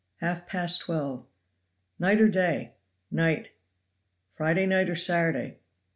"Half past twelve." "Night or day?" "Night." "Friday night, or Saturday?"